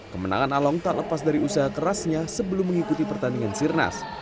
kemenangan along tak lepas dari usaha kerasnya sebelum mengikuti pertandingan sirnas